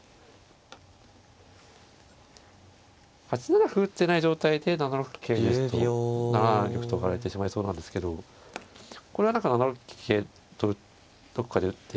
８七歩打ってない状態で７六桂ですと７七玉と上がられてしまいそうなんですけどこれは何か７六桂とどっかで打って。